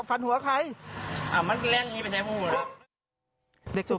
มันเล่นอย่างนี้ไปใช้ภูมิ